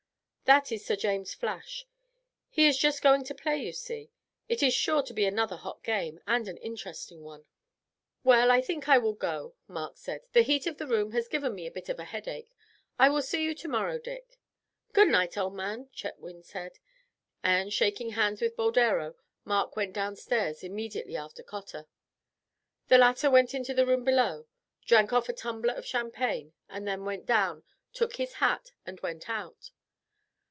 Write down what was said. "That is Sir James Flash. He is just going to play, you see; it is sure to be another hot game, and an interesting one." "Well, I think I will go," Mark said; "the heat of the room has given me a bit of a headache. I will see you tomorrow, Dick." "Good night, old man," Chetwynd said; and, shaking hands with Boldero, Mark went downstairs immediately after Cotter. The latter went into the room below, drank off a tumbler of champagne, and then went down, took his hat, and went out.